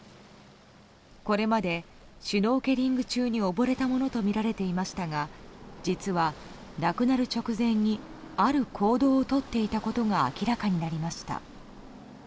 これまでシュノーケリング中に溺れたものとみられていましたが実は、亡くなる直前にある行動をとっていたことが明らかになりました。